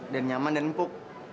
dan nyaman dan empuk